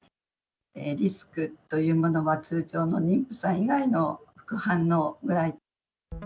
リスクというものは、通常の妊婦さん以外の副反応ぐらい。